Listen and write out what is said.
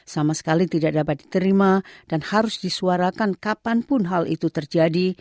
sama sekali tidak dapat diterima dan harus disuarakan kapanpun hal itu terjadi